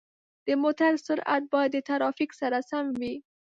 د موټر سرعت باید د ترافیک سره سم وي.